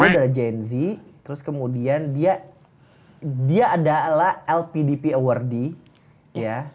dia dari jnz terus kemudian dia dia adalah lpdp awardee ya